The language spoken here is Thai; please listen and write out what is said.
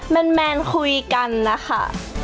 แมนคุยกันนะคะ